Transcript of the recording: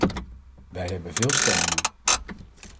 Wij hebben veel stemmingen.